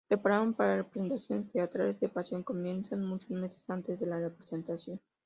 Preparación para representaciones teatrales de pasión comienzan muchos meses antes de la representación.